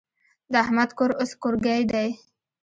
د احمد کور اوس کورګی دی.